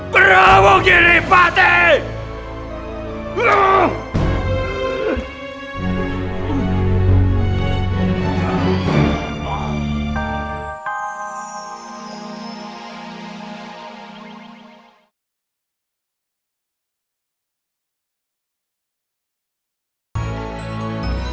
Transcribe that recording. peramu kiri pati